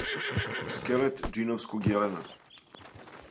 Скелет џиновског јелена